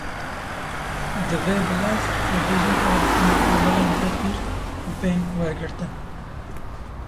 Divê bilez li dijî telefbûna ajelan tedbîr bên wergirtin.